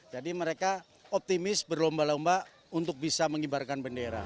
jadi mereka optimis berlomba lomba untuk bisa mengibarkan bendera